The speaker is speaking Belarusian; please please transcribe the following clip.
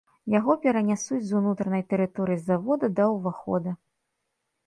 Яго перанясуць з унутранай тэрыторыі завода да ўвахода.